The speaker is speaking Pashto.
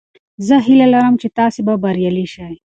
زه هیله لرم چې تاسې به بریالي شئ.